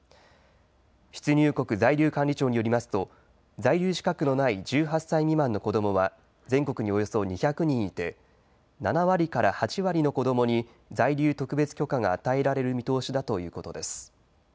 出入国在留管理庁によりますと在留資格のない１８歳未満の子どもは全国におよそ２００人いて７割から８割の子どもに在留特別許可が与えられる見通しだということです。